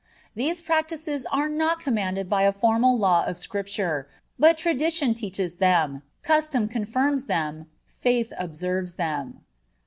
These practices are not commanded by a formal law of Scripture; but tradition teaches them, custom confirms them, faith observes them."